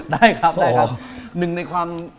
ได้ครับได้ครับ